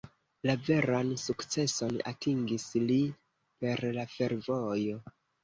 La veran sukceson atingis li per la fervojo.